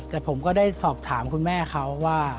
แต่ผมก็ได้สอบถามคุณแม่เขาว่า